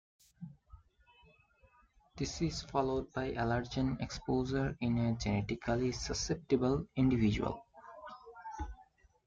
This is followed by allergen exposure in a genetically susceptible individual.